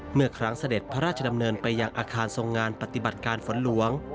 เมื่อครั้งเสด็จพระราชดำเนินไปยังอาคารทรงงานปฏิบัติการฝนหลวง